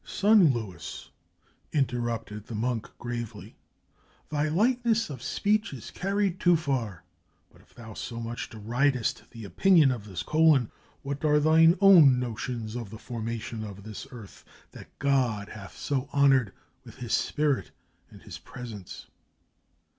"Son Luis," interrupted the monk gravely, "thy lightness of speech is carried too far. But, if thou so much deridest the opinion of this Colon, what are thine own notions of the formation of this earth, that God hath so honored with his spirit and his presence?"